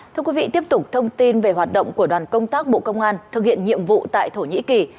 thưa quý vị tiếp tục thông tin về hoạt động của đoàn công tác bộ công an thực hiện nhiệm vụ tại thổ nhĩ kỳ